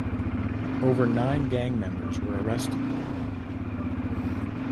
Over nine gang members were arrested.